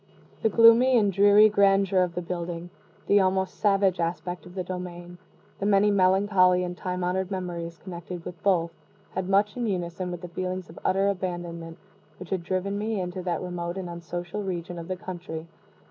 The gloomy and dreary grandeur of the building, the almost savage aspect of the domain, the many melancholy and time honored memories connected with both, had much in unison with the feelings of utter abandonment which had driven me into that remote and unsocial region of the country.